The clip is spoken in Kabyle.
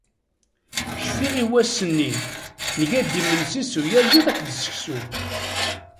Cfiɣ-as i wass-nni, nega-d imensi s uyaziḍ akked seksu.